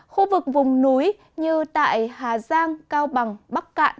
khu vực vùng núi như tại hà giang cao bằng bắc cạn